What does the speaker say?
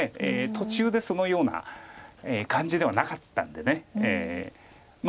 途中でそのような感じではなかったんで。